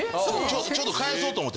ちょっと返そうと思って。